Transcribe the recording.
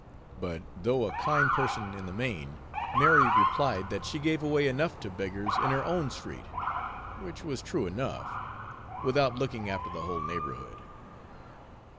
But though a kind person in the main, Mary replied that she gave away enough to beggars in her own street (which was true enough) without looking after the whole neighborhood.